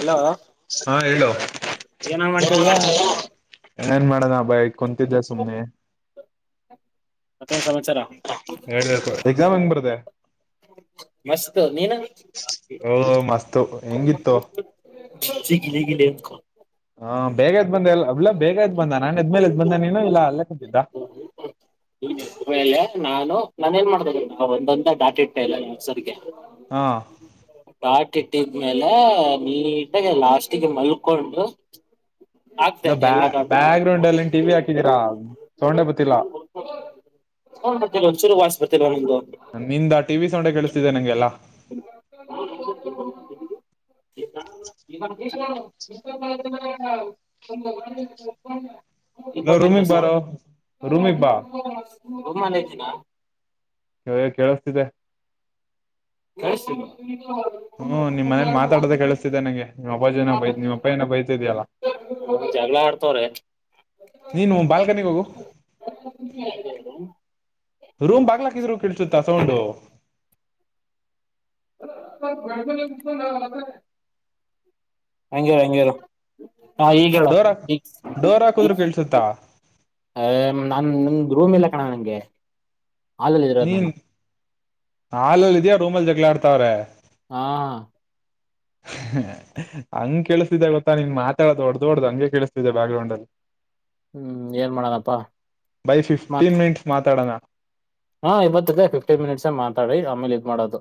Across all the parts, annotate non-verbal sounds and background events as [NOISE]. Hello ಹಾ ಹೇಳು ಏನ ಏನೋ ಮಾಡ್ತಿದೀಯಾ ಮಾಡ್ತಿದೀಯ ಏಏನ್ ಮಾಡೋಣ ಅ ಬಾಯ ಕುಂತಿದ್ದ ಸುಮ್ನೆ ಮತ್ತೇನ್ ಸಮಾಚಾರ ಹೇಳ್ಬೇಕು ಎಕ್ಸಾಮ್ ಹೆಂಗ್ ಬರ್ದೆ ಮಸ್ತತ್ ನೀನು ಓ ಮಸ್ತ್ ಹೆಂಗಿತ್ತು [UNINTELLIGIBLE] ಹಾ ಬೇಗ ಬಂದೆ ಎ ಅವಲ್ಲ ಬೇಗದ್ ಬಂದ ನಾನ್ದ್ಮೇಲೆ ಇದದ್ ಬಂದ ನೀನು ಇಲ್ಲ ಅಲ್ಲೇ ಕುಂತಿದ್ದ ನಾನು ನಾನ ಏನ್ ಮಾಡ್್ದ ಒಂದೊಂದ ಡಾಟ್ ಇಟ್ಟ ಇಲ್ಲ ಮುಗ್ಸೋದಕ್ಕೆ ಹಾ ಟ್ಟಿದ್ಮೇಲೆ ನೀಟಾಗಿ ಲಾಸ್ಟಿಗೆ ಮಲ್ಕೊಂಡು ಆಕ್ದೆ ಇಲ್ಲ ಬ್ಯಾ ಎಲ್ಲ ಡಟ್ನು ಬ್ಯಾಕ್ ಗ್ರೌಂಡ್ ಅಲ್ಲಿ ಟಿವಿ ಹಾಕಿದೀರಾ ಸೌಂಡೆ ಬತ್ತಿಲ್ಲ ಫೋನ್ ಬರ್ತಿದೆ ಒಂದು ಚೂರು ವಾಯ್ಸ್ ಬರ್ತಿಲ್ವ ನಿಮ್ದು ನಿಂದ ಟಿವಿ ಸೌಂಡೆ ಕೇಳಿಸ್ತಿದೆ ನಂಗೆಲ್ಲಾ ಇ ಈಗ ಇಲ್ಲ ಬರತೈತ ರೂಮಿಗ್ ಸೌಂಡ್ ಬಾರೋ ರೂಮಿಗ್ ಬಾ [UNINTELLIGIBLE] ಹ ಕೇಳಿಸತಿದೆ ಕೇಳಸ್ತಿಲ್ವಾ ಹ್ಮ್ ನಿಮ್ಮ ಮನೇಲಿ ಮಾತಾಡೋದ ಕೇಳಿಸ್ತಿದ್ದೆ ನಂಗೆ ನಿಮ್ಮ ಅಬ್ಬಾಜಿ ಬೈತ್ ನಿಮ್ಮ್ ಅಪ್ಪನ ಬೈತಿದ್ಯಲ್ಲ ಹ ಜಗಳ ಆಡ್ತ ನೀನು ಬಾಲ್ಕನಿಗೆ ಹೋಗು ರೂಮ್ ಬಾಗಲಾಕಿದ್ರು ಕೆಳ್ಸುತ್ತ ಸೌಂಡು [UNINTELLIGIBLE] ಹಂಗೆ ಹಂಗೆ ಇರು ಹಾ ಈಗ ಹೇಳು ಡೋರ್ ಹಾಕ್ ಡೋರ್ ಈಗ ಹಾಕುದ್ರು ಕೇಳ್ಸುತ್ತಾ ನಾ ರೂಮ್ ಇಲ್ಲ ಕಣ ನಂಗೆ ಹಾಲಲ್ಲಿ ಇರೋದು ನೀನ್ ನಾನು ಹಾಲಲ್ಲಿ ಇದೆಯಾ ರೂಮಲ್ ಜಗಳಾ ಆಡ್ತಾವ್ರೆ ಹಾ ಹಂಗ್ ಕೆೇಳಿಸ್ತಿದ್ದೆ ಗೊತ್ತಾ ನಿನ್ ಮಾತಾಡೋದು ಹೊಡ್ದ ಹೊಡ್ದ ಹಂಗೆ ಕೇಳಿಸ್ತಿದ್ದ ಬ್ಯಾಗ್ ಗ್ರೌಂಡ್ ಅಲ್ಲಿ ಹ್ಮ್ ಏನ್ ಮಾಡೋಣಪ್ಪಾ ಬೈ ಮಾತ್ ಫಿಫ್ಟೀನ್ ಮಿನಿಟ್ಸ್ ಮಾತಾಡೋಣ ಹಾ ಇವತ್ತ ಫಿಫ್ಟೀನ್ ಮಿನಿಟ್ಸ್ ಮಾತಾಡಿ ಆಮೇಲೆ ಇದ ಮಾಡೋದು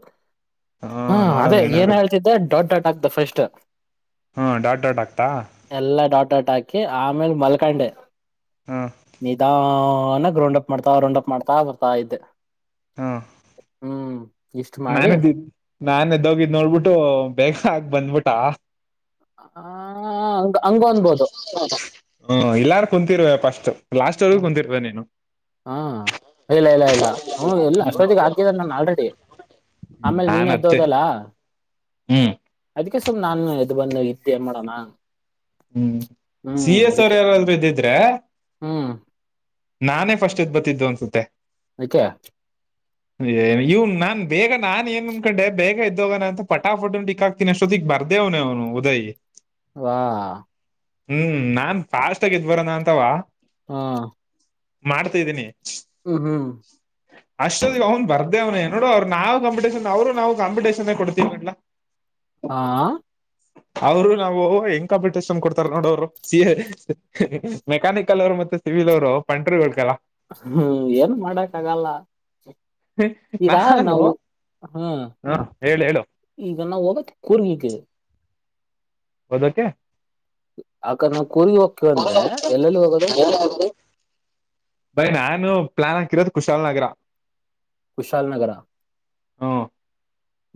ಹಾ ಹ್ಮ್ ನೋಡೋಣ ಅದೇ ಏನ್ ಏನಾಗುತ್ತೆ ಹೇಳ್ತಿದ್ದ ಡೊಡ್ ಡಾಡ್ ಆಗ್ತ ಫಸ್ಟ್ ಹಾ ಡಾಟ್ ಡಾಟ್ ಆಗ್ತಾ ಎಲ್ಲ ಡಾಟ್ ಡಾಟ್ ಟಾಕಿ ಆಮ ಆಮೇಲೆ ಮಲ್ಕಂಡೆ ಹಾ ನಿಧಾನಕ್ಕ್ ರೌಂಡ್ ಅಪ್ ಮಾಡ್ತಾ ರ್ರೌಂಡ್ ಅಪ್ ಮಾಡ್ತಾ ಬರ್ತ ತ್ತ ಇದ್ದೆ ಹಾ ಹ್ಮ್ ಇಷ್ಟ್ ಮಾಡಿ ನಾನದ ನಾನದ್ದೋಗಿದ್ದ್ ನೋಡ್ಬಿಟ್ಟು ಬಗ ಆಗ ಬಂದ್ಬಿಟ. [UNINTELLIGIBLE] ಹ ಎಲ್ಲಾರು ಕುಂತರ್ರುವ ಫಸ್ಟ್ ಲಾಸ್ಟ್ವರ್ಗೂ ಕುಂತಿರ್ಬೇಕ ನೀನು. ಹಾ ಇಲ್ಲ ಇಲ್ಲ ಇಲ್ಲ ಹ್ಮ ಎಲ್ಲ ಅಷ್ಟೊತ್ತಿಗೆ ಹಾಕಿದನೆ ನಾನ ಆಲ್ರೆಡಿ. ಆಮೇಲ್ ನಾನ್ ನೀನ್ ಅತ್ತೆ ಎದ್ದೋದಲ್ಲ ಅದ ಹ್ಮ್ ಅದಕ್ಕೆ ಸುಮ ನಾನು ಎದ್ದ ಬಂದ ಇದ್ದೇ ಮಾಡೋಣ. ಹ್ಮ್ ಸಿ ಹ್ಮ್ ಎಸ್ ಅವ್ರ ಅದಕ್ಕೆ ಯಾರಾದ್ರು ಇದ್ದಿದ್ರೆ. ಹ್ಮ್ ನಾನೇ ಫಸ್ಟ್ ಎದ ಬತಿದ್ದು ಅನ್ಸುತ್ತೆ ಅದಕ್ಕೆ ಏ ಇವನ್ ನಾನ್ ಬೇಗ ನಾನ್ ಏನ್ ಅಂದನ್ಕೊಂಡೆ ಬೇಗ ಇದ್ದೋಗನಂತ ಪಟಾ ಪಫಟಂಡಟಿಕ್ಾಕ್ತೀನಿ ಅಷ್ಟೊತ್ತಿಗ್ ಬರ್ದೇವನ ಅವನು ಉದಯ್. ಒಹ್. ಹ್ಮ್ ನಾನ್ ಫಾಸ್ಟ್ ಆಗಿ ಎದ್ದ ಬರನ ಅಂತವ. [INAUDIBLE] ಮಾಡ್ತಿದ್ದೀನಿ ಹ್ಮ್ ಹ್ಮ್ ಅಷ್ಟದಗ ಅವನ್ ಬರ್ದೆ ಅವ್ನೆ. ನೋಡು ಅವ್ರು ನಾವವು ಕಂಪಿಟೇಷನ್ ಅವ್ರು ನಾವು ಕಾಂಪಿಟೇಷನ್ ಕೊಡ್ತೀವವಿ ಅಾ ಹಾ. ಅವರು ನಾವು ಹೆಂಗ್ ಕಾಂಪಿಟೇಷನ್ ಕೊಡ್ತಾರ ನೋಡ ಅವರು ಸಿ ಎ ಮೆಕ್ಯಾನಿಕಲ್ ಅವರು ಮತ್ತೆ. ಸಿವಿಲ್ ಅವರು ಪಂಟ್ರಗಳಕಲ್ಲ. ಹ್ಮ್ ಏನ್ ಮಾಡಕ್ಗಲ್ಲ. ಈಗಾ ನಾನು ನಾವು ಹ್ಮ. ಹ ಹೇಳು ಹೇಳು [UNINTELLIGIBLE] ಓದಕ. [INAUDIBLE] ಆಕ ನಾವ್ ಕೂರ್ಗಿ ಹೋಗ್ತಿವ ಅಂದ್ರೆ ಎಲ್ಲೆಲ್ಲಿ ಹೋಗೋದು ಬೈ ನಾನು ಪ್ಲಾನ್ ಹಾಕಿರೋದು ಕುಶಾಲನಗರ. ಕುಶಾಲ ನಗರ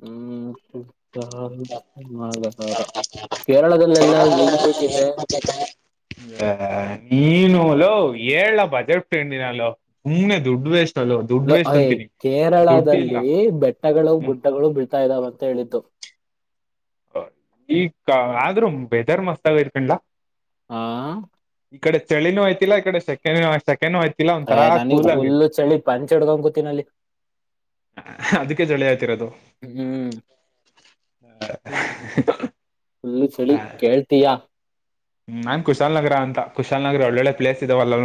ಹ್ಮ. [UNINTELLIGIBLE] ಕೇರಳದಲ್ಲೆಲ್ಲ ಹೆಂಗ್ ಬಿಳ್ತತೆ. ನೀನುಲೋ ಏಲ ಬಜೆಟ್ಂಡಿ ನಾನ ಸುಮ್ನೆ ದುಡ್ಡು ವೇಷ್ಟ ಅಯ್ ದುಡ್ಡಿಲ್ಲ ಕೇರಳದಲ್ಲಿ ಬೆಟ್ಟಗಳು ಹ್ಮ್ ಗುಡ್ಡಗಳು ಬೀಳ್ತಾ ಇದ್ದಾವ ಅಂತ ಹೇಳಿದ್ದು. ಹ ಈ ಆದ್ರೂ [UNINTELLIGIBLE] ಹಾ. ಈ ಕಡೆ ಚಳಿನೂ ಅಯ್ತಿಲ್ಲ ಇ ಕಡೆ ಸೆ ಸೆಕೇನು ಆಯ್ ಅ ನನಗ್ ಫುಲ್ ಚಳಿ ಪಂಚ್ ಹಡ್ಗಂ ಕೂತಿನ ಅಲ್ಲಿ. ಅದಕ್ಕೆ ಜಳಿ ಆ್ತರೋದು. ಹ್ಮ ಅಲ್ಲ ಚಳಿ ಕೇಳ್ತಯಾ. ನಾನ್ ಕುಶಾಾಲ ನಗರ ಅಂತ ಕುಶಾಲ ನಗರ ಒಳ್ಳೊಳ್ಳೆ ಪ್ಲೇಸ್ ಇದಾವಲ್ಲ.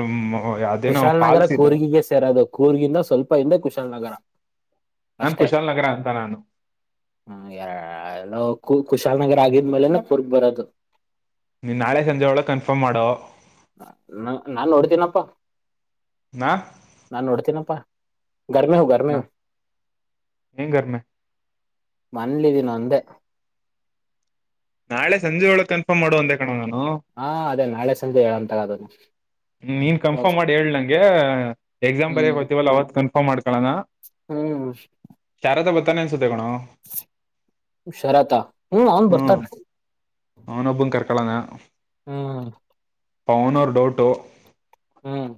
ಅದೇನೋ ಕುಶಾಲನಗರ ಫಾಲ್ಸ್ ಇದೆ ಕೂರ್ಗಿಗೆ ಸೇರೋದು ಕೂರ್ಗಿಂದ ಸ್ವಲ್ಪ ಹಿಂದೆ ಕುಶಾಲನಗರ. ನಾನ್ ಕುಶಾಲ್ ನಗರ ಅಂತ ನಾನು. ಹ್ಮ ಎರ ಎಲ್ಲೋ ಕು ಕುಶಾಲನಗರ ಆಗಿದ್ಮೇಲೆನೆ ಕುರ್ಗ ಬರೋದು. ನೀನ್ ನಾಳೆ ಸಂಜೆ ಒಳಗೆ ಕನ್ಫರ್ಮ್ ಮಾಡೋ. ನ ನಾನ್ ನೋಡ್ತೀನಪ್ಪಾ ನಾ ನಾನ್ ನೋಡ್ತೀನಪ್ಪಾ. [UNINTELLIGIBLE] ಮನೇಲಿ ಇದೇನ ಅಂದೇ. ನಾಳೆ ಸಂಜೆ ಒಳಗೆ ಕನ್ಫರ್ಮ್ ಮಾಡುವಂದೆ ಕಣೋ ನಾನು. ಹಾ ಅದೇ ನಾಳೆ ಸಂಜೆ ಹೇಳಂತರ ಅದದು. ನೀನ್ ಕನ್ಫರ್ಮ್ ಮಾಡಿ ಹೇಳ ನಂಗೆ ಎಕ್ಸಾಮ್ ಬರಯ ಹ್ಮ್ ಹ್ತಿವಲ್ಲ ಅವತ್ ಕನ್ಫರ್ಮ್ ಮಾಡ್ ಕಳನ ಹ್ಮ್ ಚಾರದ ಬತಾನ ಅನ್ ಣ ಶರತ ಹ್ಮ್ ಅವ್ನ್ ಹ್ಮ ಹ ಬರ್ತಾನೆ ಅವನ್ ಒಬ್ಬನ್ ಕರ್ ಕೊಳನ. ಹ್ಮ್. ಪೌನವರ್ ಡೌಟ್. ಹ್ಮ್.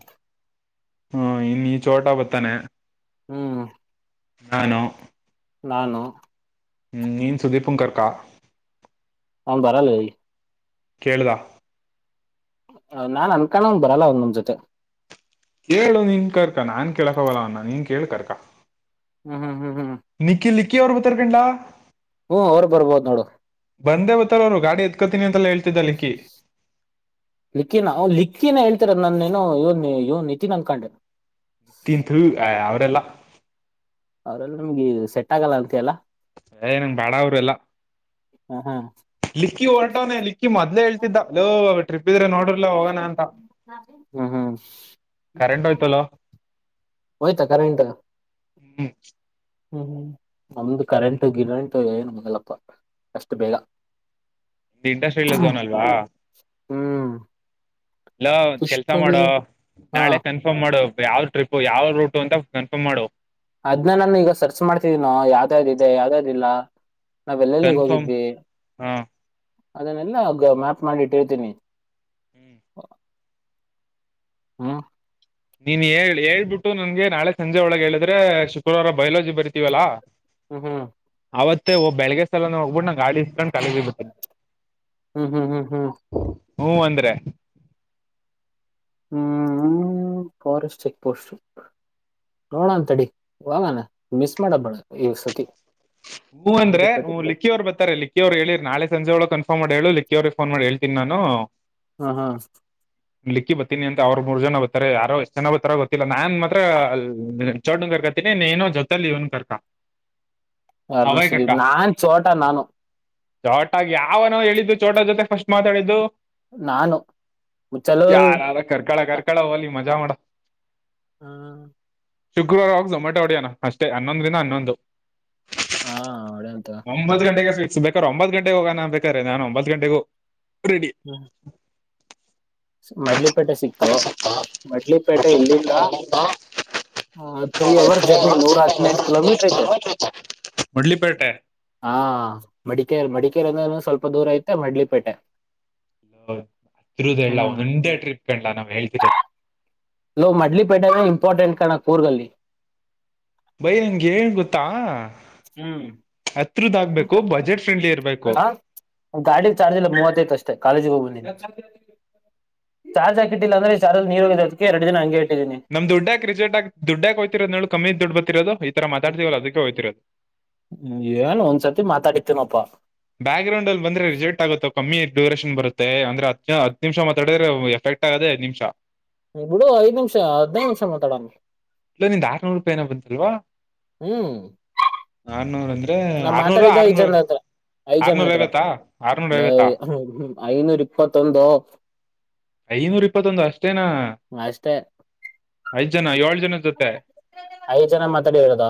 ಹ್ಮ ಇನ್ ಚೋಟ ಬತಾನೆ. ಹ್ಮ್. ನಾನೋ. ನಾನು. ಹ್ಮ್ ನೀನ್ ಸುದೀಪು ಕರ್ಕಾ. ಹ ಬರಲ್ಲಿ. ಕೇೇಳಿದ. ನಾನ್ ಅನ್ಕೊಂಡಂಗ ಬರಲ್ಲ ಅವ್ ನಮ ಜೊತೆ ಹೇಳು ನೀನ್ ಕರ್ಕ ನಾನ್ ಕೇಳಕವಲ್ಲ ಅವನ್ನ ನೀನ್ ಕೇಳಿ ಕರ್ಕ. ಹ್ಮ್ ಹ್ಮ್ ಹ್ಮ್ ಹ್ಮ್ ನಕ್ಕಿ ನಕ್ಕಿ ಅವರು ಗತ್ತರ್ಕಂಡಾ. ಹ್ಮ್ ಅವ್ರು ಬರ್ಬೋದು ನೋಡು ಬಂದೇ ಬತ್ತಾರ ಅವರು ಗಾಡಿ ಎತ್ಕೋತೀನಿ ಅಂತೆಲ್ಲ ಹೇಳ್ತಿ. ನಿಿಕ್ಕಿನ ಲಿಕ್ಕಿನ ಎ. ನನ್ನೇನೋ ಇವನ್ ಇವನ್ ನಿತಿ ನನ್ ಕಂಡ. ನಿತ್ಯನ್ಥ ಅವರೆಲ್ಲ. ಅವ್ರಲ್ಲ ನಮ್ಗೆ ಸೆಟ್ ಆಗಲ್ಲ ಅಂತೆ ಅಲ್ಲ. ಸ ನಂಗ್ ಬಾಡ ಅವರು ಎಲ್ಲಾ. ಹ ಹಾ. ಲಿಕ್ಕಿ ಹೊರಟವಾನನೆ ಲಿಕ್ಕಿ ಮೊದ್ೇ ಹೇಳ್ತಿದ್ದ ಅಲ್ಲೋ ಟ್ರಿಪ್ ಇದ್ರೆ ನೋಡರ್ಲ ಹೋಗೋಣ ಅಂತ. ಹ ಹಾ. ಕರೆಂಟ್ ಯ್ತಲೋ. ಆಯ್ತಾ ಕರೆಂಟ್ ಹ್ಮ್. ಹ್ಮ್ ಹ್ಮ್ ನಮ್ದು ಕರೆಂಟ್ ಗಿರಂಟ್ು ಏನು ಮಂಗಲ್ಲಪ್ಪ ಅಷ್ಟು ಬೇಗ. ಇ ಇಂಡಸ್ಟ್ರಿಯಲ್ ಝೋನ್ ಅಲ್ವಾ. ಹ್ಮ್. ಇಲ್ಲ ಕೆಲ್ಸ ಮಾಡುವ ಪುಷ್ಪಗಿರಿ ಹಾ ನಾಳೆ ಕನ್ಫರ್ಮ್ ಮಾಡುವ. ಯಾವ್ ಟ್ರಿಪ್ು ಯಾವ್ ರೂಟ ಅಂತ ಕನ್ಫರ್ಮ್ ಮಾಡು. ಅದ್ನ ನಾನು ಈಗ ಸರ್ಚ್ ಮಾಡ್ತಿದೀನೋ ಯಾವ್ದ್ದ ಇದೆ ಯಾವ್ದ್ಯಾವ್ದಿಲ್ಲ. ನಾವೆಲ್ಲೆಲ್ಲಿಗೆ ಕನ್ಫರ್ಮ್ ಹೋಗಿದ್ವಿ ಹಾ ಅದನ್ನೆಲ್ಲ ಮ್ಯಾಪ್ ಮಾಡಿ ಇಟ್ಟಿರ್ತೀನಿ. ಹ್ಮ್ ಹ್ಮ. ನೀನ್ ಹೇಳ ಹೇಳ್ಬಿಟ್ಟು ನನ್ಗೆ ನಾಳೆ ಸಂಜೆ ಒಳಗೆ ಹೇಳಿದ್ರೆ ಶುಕ್ರವಾರ ಬಯೋಲಜಿ ಬರಿತೀವಲ್ಲಾ. ಹ್ಮ ಹ್ಮ್. ಅವತ್ತ ಹ ಬೆಳಗ್ಗೆ ಸ್ಲಾನ ಹೋಗಬಿಟ್ಟ ನ ಗಾಡಿಸ್ೊಂಡ ಹ್ಮ್ ಹ್ಮ್ ಹ್ಮ್ ಹ್ಮ್. ಹ್ಮ ಅಂದ್ರೆ. ಹ್ಮ್ ಫಾರೆಸ್ಟ್ ಚೆಕ್ ಪೋಸ್ಟ್. ನೋಡ ಅಂತಡಿ ವಾಗಣ ಮಿಸ್ ಮಾಡ ಬೇಳ ಈ ಸತಿ. ಹೂ ಹ್ಮ್ ಅಂದ್ರೆ ಹ್ಿಕ್ಕಿಯ್ ಬತಾರೆ ಲಿಕ್ಕಿಯ್ರು ಹೇಳಿರಿ ನಾಳೆ ಸಂಜೆ ಒಳಗೆ ಅನ್. ಫನ್ ಮಾಡಿ ಹೇಳ ಿವ ಫನ್ ಮಾಡಿ ಹೇಳ್ೀನಿ ನಾನು. ಹ್ಮ ಹಾ. ಲಿಕ್ಕಿ ಬತೀನಿ ಅಂತ ಅವ್ರರು ಮೂರ್ ಜನ ಬತಾರೆ ಯಾರೋ ಎಷ್ಟ್ ಜನ ಬತಾರ ಗೊತ್ತಿಲ್ಲ ನಾನ್ ಮಾತ್ರ ಅ. ಚೊಡ್ ಕರ್ಕ ತಿಿ ನೇನುೋ ಜೊತೆ ಲನು ಕರ್ಕಾ. ಅರ್ಣ ಸುದೀಪ್ ನಾನ್ ಚೋಟಾ ನಾನು. ಚೋಟಾಗಿ ಯಾವನೋ ಹೇಳಿದ್ದು ಚೋಟ ಜೊತೆ ಫಸ್ಟ್ ಮಾತಾಡಿದ್ದು. ನಾನು ಮುಚ್ಚಲು ಯಾರ ಯಾರ ಕಕಡ ಕಕಡ ಒಲಿ ಮಜಾ ಮಾಡ ಹ್ಮ. ಶುಕ್ರವಾರ ಹೋಗಿ ಝೊಮೆಟೊ ಹೊಡಿಯೋಣ ಅಷ್ಟೇ ಹನ್ನೊಂದರಿಂದ ಹನ್ನೊಂದು. ಹಾ ಅವಡಂತ. ಸ ಬೇಕಾದ್ರ ಒಂಬತ್ ಗಂಟೆಗೆಗ ಹೋಗಣ ನನ್ ಬೇಕ್ರೆ ನಾನು ಒಂಬತ್ ಗಂಟೆಗೂ ರೆಡಿ. ಮಡ್ಲಿಪೇಟೆ ಸಿಕ್ತು ಮಡ್ಲಿಪೇಟೆ ಇಲ್ಲಿಂದ ಹ ತ್ರೀ ಅವರ್ ಜರ್ನ ನೂರ ಅತ್ಿನ ಕಿಲೋಮೀಟರ್ ಇತೆ ಮುಡ್ಲಿಪೇಟೆ ಹಾ ಮಡಿಕಲ್ ಮಡಿಕ ಂದ ಸ್ವಲ್ಪ ದೂರ ಐತೆ ಮಡ್ಲಿಪೇಟೆ ಹತ್ತಿರದಲ್ಲ ಹ್ಮ್ ಒಂದೇ ಟ್ರಿಪ್ ಕಂಡಲ್ಲ ನಾವ್ ಹೇಳ್ತಿರೋದು ಲ ಮಡ್ಲಿಪೇಟನ ಇಂಪಾರ್ಟೆಂಟ್ ಕಣ ೂರ್ಗಲ್ಲಿ ಬೈ ನಂಗೆ ಹೇಳ್ ಗೊತ್ತಾ ಹ್ಮ್ ಹತ್ರದ ಆಗ್ಬೇಕು ಬಜೆಟ್ ಫ್ರೆಂಡ್ಲಿ ಇರ್ಬೇಕು ಹ ಗಾಡಿ ಚಾರ್ಜ್ ಎಲ್ಲಾ ಮೂವತ್ತೈ ಅಷ್ಟೇ ಕಾಲಜಿಗೆ ಹೋಗಬಂದಿನ ಚಾರ್ಜ್ ಹಾಕಿಟ್ಟಿಲ್ಲ ಅಂದ್ರೆ ಚಾರ್ಜ ನೀರ ಹೋಗದಕ್ಕೆ ಎರಡು ದಿನ ಹಂಗೆ ಇ ನಮ್ ದುಡ್ಡ ಕಿಕೆಟ ಆ ಡ್ಡಕ್ೋ್ತಿೋದ ಹೇಳೇಳ ಕಮ್ಮಿ ದುಡ್ ಬತಿರೋದು ಈರ ಮಾತಾಡ್ತಿೀವಲ್ಲ ಅದಕ್ಕೆ ಹೋ್ತಿರೋದು ್ಮ ಏನ್ ಒಂದ್ಸರ್ತಿ ಮಾತಾಡಿತೇನಪ್ಪಾ ಬ್ಯಾಕ್ ಗ್ರೌಂಡ್ ಅಲ್ಲಿಂದೆಿಸಜೆಟ್ ಆಗುತ್ತ ಕಮ್ಮಿ ಡ್ಯೂರಷನ್ ಬರುತ್ತೆ ಮತ್ತೆ ಅಂದ್ರೆ ಹತ್್ ಹದ್ ನಿಮಿಷ ಮಾತಾಡಿದ್ರೆ ಎಫೆಕ್ಟ್ ಆಗದೆ ದ್ ನಿಮಿಷ ಬಿಡು ಐದ್ ನಿಮಿಷ ಹದ್ಿನೈದು ನಿಮಿಷ ಮಾತಾಡಣ ಇಲ್ಲ ನಿಂದ ಆರ್ನೂರು ರೂಪಾಯ ಏ ಬಂತಲ್ವಾ ಹ್ಮ್ ಆರ್ನೂರ್ ಅಂದ್ರೆ ನಾ ಆರ್ನೂರ ಮಾತಾಡಿದ್ದೆ ಆರ್ನೂರ್ ಈಜಂದತ್ರ ಐಚನ ಆರ್ನೂರ ಮಾತ್ರ ಐವತ್ತಾ ಆರ್ನೂರ ಐವತ್ತಾ ಅ ಐನೂರು ಇಪ್ಪತ್ತೊಂದೋ ಐನೂರ ಇಪ್ಪತ್ತೊಂದು ಅಷ್ಟೇನಾ ಅಷ್ಟೇ ಐದ್ ಜನ ಐ ಐದ್ ಜನ ಮಾತಾಡಿರೋದ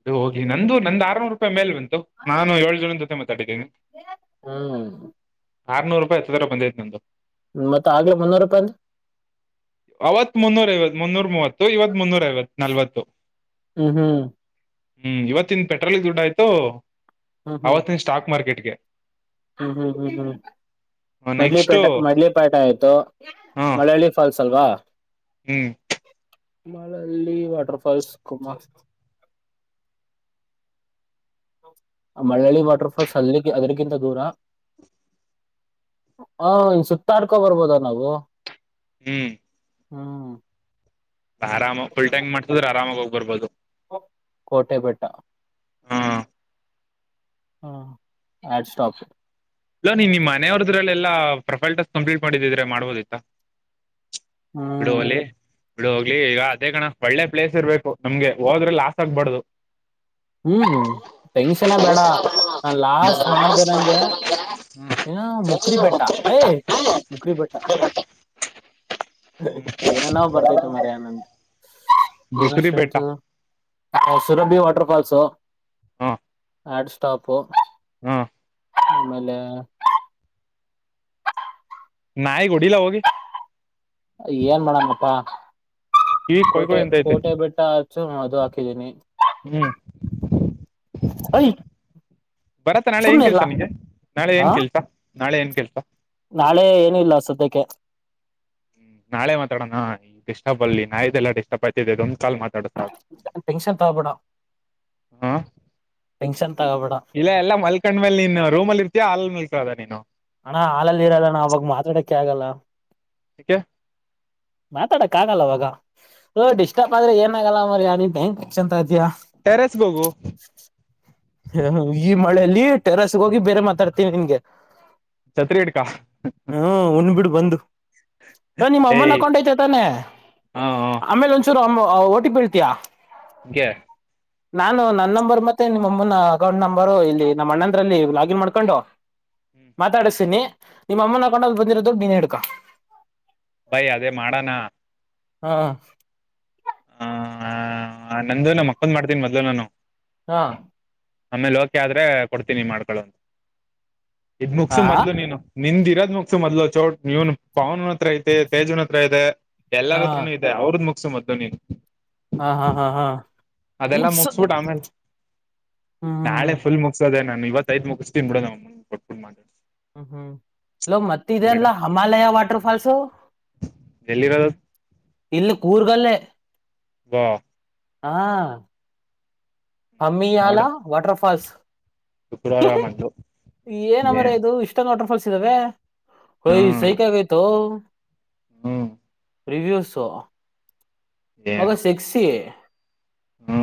ಅದು ಹೋಗ್ಲಿ ನಂದು ನಂದು ಆರ್ನೂರು ರೂಪಾಯಿ ಮೇಲ್ ಬಂತ ನಾನು ಏಳು ಜನ ಜೊತೆ ಮತ್ತೆ ಹ್ಮ್ ಆರ್ನೂರು ರೂಪಾಯ ಹತ್ರ ಬಂದೈತ್ತು ನಿಮದು ಮತ್ತ ಆಗ್ಲೇ ಮುನ್ನೂರು ರೂಪಾಯಿ ಅವವತ್ತು ಮನೋರ ಇವ ಮನೋರ ಮವತ್ತು ಇದು ಇವತ್ ಮುನ್ನೂರ ಐವತ್ ನಲ್ವತ್ತು ಹ್ಮ್ ಹ್ಮ್ ಹ್ಮ್ ಇವತ್ತಿನ ಪೆಟ್ರೋಲ್ಿಗೆ ದುಡ್ಡ ಆಯ್ತು ಹ್ಮ್ ಹ್ಮ್ ಅವತ್ತನ್ ಸ್ಟಾಕ್ ಮಾರ್ಕೆಟ್ಗೆ ಹ್ಮ್ ಹ್ಮ್ ಹ್ಮ್ ಹ್ಮ್ ಮಡ್ಲಿ ನೆಕ್ಸ್ಟ್ ಪೇಟೆ ಮಡ್ಲಿ ಪೇಟೆ ಆಯ್ತು ಹ ಮಳ್ಳಳ್ಳಿ ಫಾಲ್ಸ್ ಅಲ್ವಾ ಹ್ಮ್ ಮಳಲ್ಲಿ ವಾಟರ್ಫಾಲ್ಸ್ ಕುಮಾರ್ ಮಳ್ಳಳ್ಳಿ ವಾಟರ್ಫಾಲ್ಸ್ ಅದ ಅದರಿಗಿಂತ ದೂರ ಹ ಇನ್ ಸುತ್ತಡ್ಕೊ ಬರ್ಬೋದ ನಾವು ಹ್ಮ್ ಹ್ಮ ಆರಾಮ ಫುಲ್ ಟ್ಯಾಕ್ ಮಾಡಸಿದ್ರೆ ಆರಾಮಾಗಿ ಹೋಗ್ಬರ್ಬೋದು ಕೋಟೆಪಟ್ಟ ಹಾ ಹ್ಮ ಆಡ್ ಸ್ಟಾಪ್ ಇಲ್ಲ ನೀ ನಿಮ್ಮ ಮನೆಯವ್ರದ್ರಲ್ಲ ಎಲ್ಲಾ ಪ್ರೊಫೈಲ್ ಟಾಸ್ಟ್ ಕಂಪ್ಲೀಟ್ ಮಾಡಿದ್ದಿದ್ರೆ ಮಾಡ್ಬೋದಾಯ್ತಾ ಹ್ಮ್ ಬಿಳ ಹೋಗ್ಲಿ ಈಗ ಅದೇ ಕಣ ಒಳ್ಳೆ ಪ್ಲೇಸ್ ಇರ್ಬೇಕು ನಮ್ಗೆ ಹೋದ್ರೆ ಲಾಸ್ ಆಗ್ಬಾರ್ದು ಹ್ಮ್ ಟೆನ್ಷನ್ ಬೇಡ ನನ್ ಲಾಸ್ಟ್ ಮಾಡ್ದಂಗೆ ಏನ ಮುಕರಿ ಬೆಟ್ಟಾ ಮುಕರಿ ಬಟ್ಟಾ ಏನ ನಾವ್ ಬರ್ತೈತ ಮರ ಆನಂದ್ ಬುಕ್ರಿ ಬೆಟ್ಟ ನ್ಷ್ಟ ್ರೆಂಡ್ಸ್ ಸುರಬಿ ವಾಟರ್ಫಾಲ್ಸ್ ಹಾ ಆಡ್ ಸ್ಟಾಪು ಹ್ಮ ಹೆಲೋ [UNINTELLIGIBLE] ನಾಯಿ ಹೊಡೆಲ ಹೋಗಿ ಏನ್ ಮಾಡಣಪ್ಪಾ ಕಿವಿಗ್ [UNINTELLIGIBLE] ಕೊಯ್ ಕಟೆ ಕೊಯ್ ಅಂತೈತೆ ಕಟೆ ಬೆಟ್ಟಾು ಹೆಚ್ಚು ಅದು ಆಕೆಡೆನೆ ಹ್ಮ್ [UNINTELLIGIBLE] ಬರತ್ತ ನಾಳೆ ಏನ್ ಸುಮ್ನೆ ಕೆಲ್ಸ ಇರ್ಲಾ ನಿಂಗೆ ನಾಳೆ ಹ ಏನ್ ಕೆಲ್ಸ ನಾಳೆ ಏನ್ ಕೆಲ್ಸ ನಾಳೆ ಏನುೂ ಇಲ್ಲ ಸದ್ಯಕ್ಕೆ ನಾಳೆ ಮಾತಾಡಣ ಈ ಡಿಸ್ಟರ್ಬ್ ಅಲ್ಲಿ ನಾಯ್ದೆಲ್ಲ ಡಿಸ್ಟರ್ಬ್ ಆಗ್ತಿದೆೊ ಕಾಲ್ ಮಾತಾಡು ಸಾಕು ಟೆನ್ಷನ್ ತಗೋಬೇಡ ಹ್ಮ್ ಟೆನ್ಷನ್ ತಗೋಬೇಡ ಇಲ್ಲ ಎಲ್ಲ ಮಲ್ಕಂಡ ಮೇಲೆ ನೀನ್ ರೂಮಲ್ಲಿ ಇರ್ತಯಾ ಆಲ್ ಮಲ್ಕದ ನೀನು ಅಣ್ಣ ಹಾಲಲ್ಲಿ ಇರಲ್ಲಣ ಅವಾಗ ಮಾತಾಡಕ್ಕೆ ಆಗಲ್ಲ ಯಾಕೆ ಮಾತಾಡಕ್ ಆಗಲ್ಲ ಅವವಾಗ ಓ ಡಿಸ್ಟರ್ಬ್ ಆದ್ರೆ ಏನ ಆಗಲ್ಲ ಮರಿ ನೀನ್ ಟೆನ್ಶನ್ ತೊಗಟೆಯ ಟೆರೆಸ್ ಹೋಗು ಈ ಮಳೆಯಲ್ಲಿ ಟೆರಸ್ಗೆ ಹೋಗಿ ಬೇರೆ ಮಾತಾಡ್ತೀನಿ ನಿನ್ಗೆ ಚತ್ರಿ ಎಡ್ಕ್ಕಾ ಹ್ಮ್ [UNINTELLIGIBLE] ಉಣ್ಬಿಡ್ ಬಂದು ನಿಮ್ಮ ಏಯ್ ಅಮ್ಮನಕೊಂಡ ಐತೆ ತಾನೆ ಹಾ ಆಮೇಲೆ ಒಂದಸೂರು ಅಮ್ಮ ಓಟೋ ಹೇಳುತೆಯ ಯಾಕೆ ನಾನು ನನ್ನ ನಂಬರ್ ಮತ್ತೆ ಮಮ್ಮನ ಅಕೌಂಟ್ ನಂಬರು ಇಲ್ಲಿ ನಮ್ಮ ಅಣ್ಣಂದ್ರಲ್ಲಿ ಲಾಗಿನ್ ಮಾಡ್ಕೊಂಡು ಮಾತಾಡಿಸತೀನಿ ನಿಮ್ಮ ಅಮ್ಮನ ಅಕೌಂಟ್ ಬಂದಿರೋದೊಡ್ ಡುಡು ನೆನೆ ಇದುಕೊ ಬೈ ಅದೇ ಮಾಡಣ ಹಾ ಆ ನಂದು ನಾ ಅಕ್ಕಂದ್ ಮಾಡ್ತೀನಿ ಮೊದ್ಲು ನಾನು ಹಾ ಆಮೇಲೆ ಹೋಕೆ ಆದ್ರೆ ಕೊಡ್ತೀನಿ ಮಾಡ್ಕೊಳ್ಳ ಅಂತ ಇದ್ ಹಾ ಮುಗಸು ಮೊದ್ಲು ನೀನು ನಿಂದಿ ಮುಗಸು ಮೊದ್ಲು ಚೋಟ್ ಇವನು ಪಾವನ್ನ್ ಹತ್ರ ಐತಿ ತೇಜ್ನ್ ಹತ್ರ ಇದೆ ಹಾ ಎಲ್ಲರತ್ರನು ಇದೆ ಅವ್ರದ್ ಮುಗಸು ಮದ್ದು ನೀನ್ ಹಾ ಹಾ ಹಾ ಹಾ ಅದೆಲ್ಲಾ ಮುಗಿಸು ಮುಗಸ್ಬಿಟ್ಟು ಆಮೇಲೆ ನಾಳೆ ಫುಲ್ ಮುಗಸದೆ ನಾನ ಇವತ್ತ ಐತ್ ಮುಗಿಸ್ತೀನಿ ಬಿಡೋ ಕೊಟ್ಬಿು ಮಾತಾಡ್ ಹ್ಮ ಹೇಳೊ ಮತ್ತತಿದೆಲ್ಲ ಹಮಲಯ ವಾಟರ್ಫೋಲ್ಸ್ ಎಲ್ಲಿರೋದು ಇಲ್ಲ ಕೂರ್ಗಲ್ಲೇ ವಾ ಹಾ ಹಮ್ಮಿ ಅಲಾ ನೋಡು ವಾಟರ್ಫಾಲ್ಸ್ ಶುಕ್ರವಾರ [UNINTELLIGIBLE] ಬಂದು ಏನ ಏ ಮರಯ ಇದು ಇಷ್ಟಂದು ವಾಟರ್ಫಾಲ್ಸ್ [UNINTELLIGIBLE] ಒಯೆ ಹ್ಮ್ ಸಾಯೇಹಾಯ್ತು ಹ್ಮ್ ರಿವ್ಯೂಸ್ ಮಗ ಸೆಕ್ಸಿ ಹ್ಮ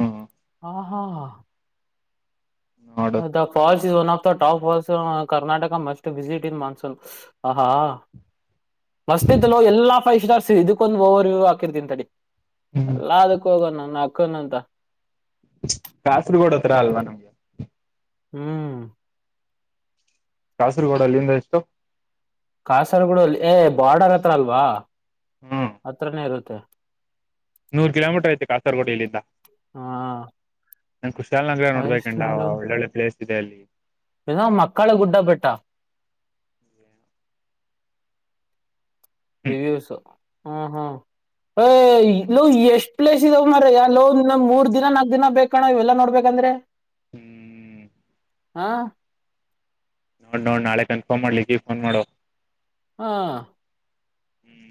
ಹಾ ಹಾ ಹಾ ನೋಡು falls is one of top Karnataka must visit in monsoon [UNINTELLIGIBLE] ಮಸ್ತ್ ಇದಲ್ಲ ಎಲ್ಲಾ ಫೈವ್ ಸ್ಟಾರ್ಸ್ ಇದಕ್ಕೊಂದಂದು ಓವರ್ ವ್ಯ್ ಹಾಕಿರ್ತನ್ಂತಡಿ ಹ್ಮ್ ಎಲ್ಲಾ ಅದಕ್ಕ ಹೋಗಣ ನನ್ನ ಅಕ್ಕನಂತ ಕಾಸರ್ಗೋಡ ಹತ್ರತ್ರ ಅಲ್ವಾ ನಮ್ಗೆ ಹ್ಮ್ ಕಾಸರಗೋಡ ಅಲ್ಲಿಂದ ಎಷ್ಟು ಕಾಸರಗೋಡಲ್ಲಿ ಏ ಬಾರ್ಡರ್ ಹತ್ರ ಅಲ್ವಾ ಹ್ಮ್ ಹತ್ರನೇ ಇರುತ್ ತೆ ನೂರ್ ಕಿಲೋಮೀಟರ್ ಐತೆ ಕಾಸರ್ಗೋಡ್ ಇಲ್ಲಿಧ ಹಾ ನನ್ ಕುಶಾಲ ನಗ್ರ ನೋಡ್ಬೇಕಂಡ ಒಳ್ಳೊಳ್ಳೆ ಪ್ಲೇಸ್ ಇದೆ ಅಲ್ಲಿ ಇನ್ನುಾ ಮಕ್ಕಳ ಗುಡ್ಡಬೆಟ್ಟಾ ಹ್ಮ್ ರಿವ್ಯೂಸ್ ಹೂ ಹೂ ಎ ಲೋ ಎಷ್ಟ್ ಪ್ಲೇಸ್ ಇದಾವ್ ಮಾರಾಯ ಲೋ ಎನ್ನ ಮೂರ್ ದಿನ ನಾಕ್ ದಿನ ಬೇಕಣ ಇವೆಲ್ಲಾ ನೋಡ್ಬೇಕ್ ಅಂದ್ರೆ ಹ್ಮ್ ಹಾ ನೋಡ್ ನೋಡ್ ನಾಳೆ ಕನ್ಫರ್ಮ್ ಮಾಡ್ಲಿ ಲಿಕೀಗ್ ಫೋನ್ ಮಾಡೋ ಹಾ